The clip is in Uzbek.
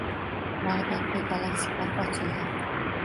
Bag‘dodda “Galaxy park” ochildi